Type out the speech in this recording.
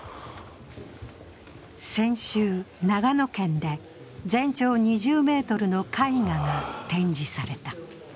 先週、長野県で全長２０ｍの絵画が展示された。